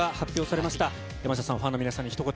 やましたさん、ファンの皆さんにひと言。